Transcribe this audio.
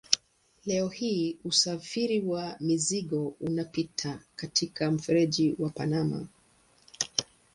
Leo hii usafiri wa mizigo unapita katika mfereji wa Panama.